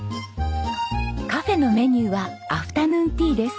カフェのメニューはアフタヌーンティーです。